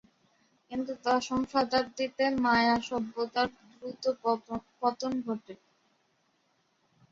কিন্তু দশম শতাব্দীতে মায়া সভ্যতার দ্রুত পতন ঘটে।